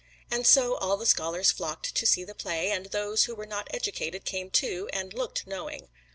And so all the scholars flocked to see the play, and those who were not educated came too, and looked knowing.